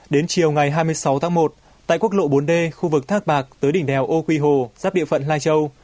đến chiều ngày hai mươi sáu tháng một tại quốc lộ bốn d khu vực thác bạc tới đỉnh đèo ô quy hồ giáp địa phận lai châu